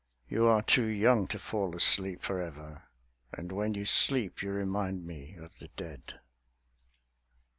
You are too young to fall asleep for ever; _And when you sleep you remind me of the dead.